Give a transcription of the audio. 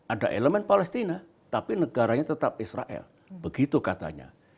ada elemen palestina tapi negaranya tetap israel begitu katanya